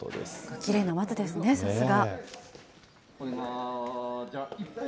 きれいな松ですね、さすが。